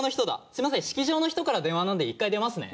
すみません式場の人から電話なんで１回出ますね。